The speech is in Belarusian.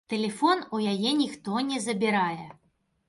Тэлефон у яе ніхто не забірае.